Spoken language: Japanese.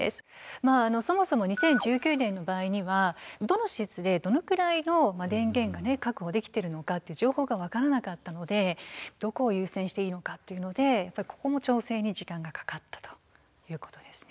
まああのそもそも２０１９年の場合にはどの施設でどのくらいの電源がね確保できてるのかって情報が分からなかったのでどこを優先していいのかっていうのでここも調整に時間がかかったということですね。